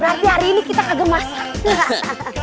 berarti hari ini kita kagak masak